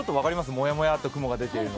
もやもやと雲が出ているの。